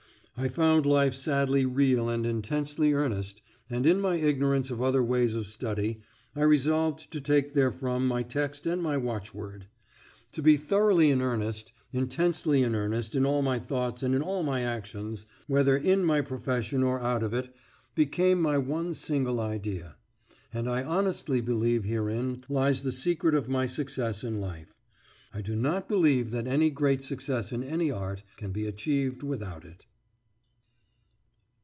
I found life sadly real and intensely earnest, and in my ignorance of other ways of study, I resolved to take therefrom my text and my watchword. To be thoroughly in earnest, intensely in earnest in all my thoughts and in all my actions, whether in my profession or out of it, became my one single idea. And I honestly believe herein lies the secret of my success in life. I do not believe that any great success in any art can he achieved without it....